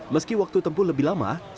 meski waktu tempuh lebih lama